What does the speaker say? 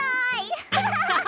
アハハハ。